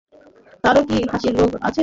তারও কি হাসির রোগ আছে?